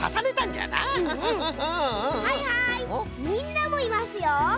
みんなもいますよ。